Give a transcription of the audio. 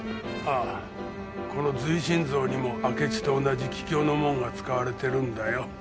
ああこの随身像にも明智と同じ桔梗の紋が使われてるんだよ。